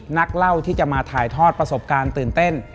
นักเล่าที่จะมาถ่ายทอดประสบการณ์ตื่นเต้น